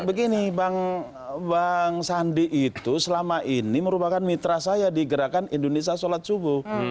begini bang sandi itu selama ini merupakan mitra saya di gerakan indonesia sholat subuh